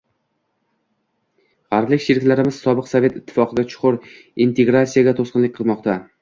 G'arblik sheriklarimiz sobiq Sovet Ittifoqiga chuqur integratsiyaga to'sqinlik qilmoqda